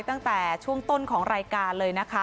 ตั้งแต่ช่วงต้นของรายการเลยนะคะ